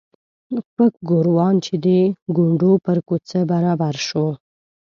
پک ګوروان چې د کونډو پر کوڅه برابر شو.